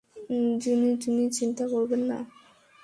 জুনি, জুনি চিন্তা করবেন না।